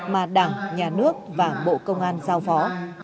mà đảng nhà nước và bộ công an giao phó